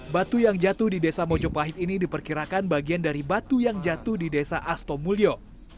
batu yang jatuh di desa mojopahit ini diperkirakan bagian dari batu yang jatuh di desa astomulyo